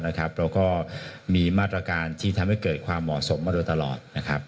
แล้วก็มีมาตรการที่ทำให้เกิดความเหมาะสมมาโดยตลอดนะครับ